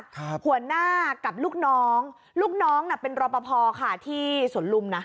หัวหน้ากับลูกน้องลูกน้องน่ะเป็นรอปภค่ะที่สวนลุมนะ